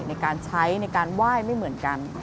ในการใช้ในการไหว้ไม่เหมือนกัน